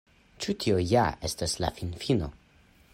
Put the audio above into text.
Ĉi tio ja estas la finfino.